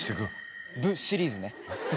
「ぶっ」シリーズね。